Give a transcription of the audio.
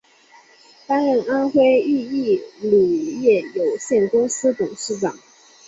担任安徽益益乳业有限公司董事长。